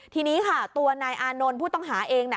ทีนี้ค่ะตัวนายอานนท์ผู้ต้องหาเอง